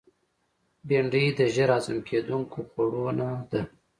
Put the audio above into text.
بېنډۍ د ژر هضم کېدونکو خوړو نه ده